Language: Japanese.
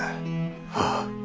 ああ。